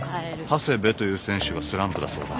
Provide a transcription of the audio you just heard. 長谷部という選手がスランプだそうだ。